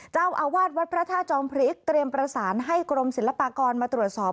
เจ้าอาวาสวัดพระธาตุจอมพริกเตรียมประสานให้กรมศิลปากรมาตรวจสอบ